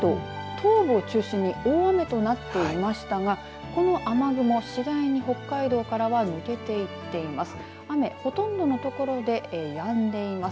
東部を中心に大雨となっていましたがこの雨雲、しだいに北海道からは抜けていっています。